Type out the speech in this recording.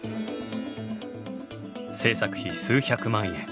製作費数百万円。